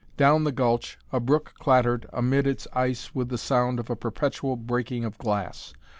Down the gulch a brook clattered amid its ice with the sound of a perpetual breaking of glass.